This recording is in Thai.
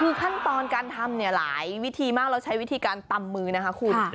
คือขั้นตอนการทำเนี่ยหลายวิธีมากเราใช้วิธีการตำมือนะคะคุณ